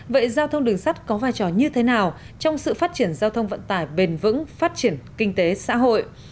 vậy giao thông đường sắt có vai trò như thế nào trong sự phát triển giao thông vận tải bền vững phát triển kinh tế xã hội